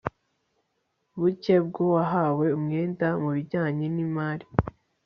buke bw uwahawe umwenda mu bijyanye n imari